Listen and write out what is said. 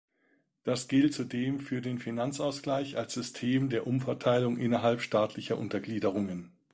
Das gilt zudem für den Finanzausgleich als System der Umverteilung innerhalb staatlicher Untergliederungen.